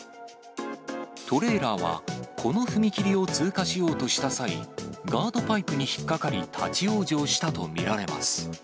トレーラーはこの踏切を通過しようとした際、ガードパイプに引っ掛かり、立往生したと見られます。